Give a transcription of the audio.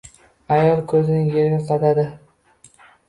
Ayol ko‘zini yerga qadadi